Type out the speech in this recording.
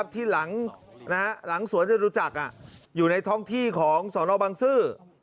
ที่หลังสวนจตุจักรอยู่ในท้องที่ของสนบังซื้อ